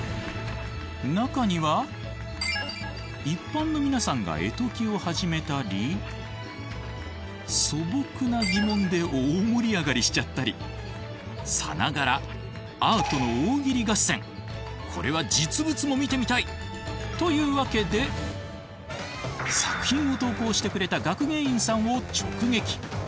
中には一般の皆さんが絵解きを始めたり素朴な疑問で大盛り上がりしちゃったりさながらこれは実物も見てみたい！というわけで作品を投稿してくれた学芸員さんを直撃！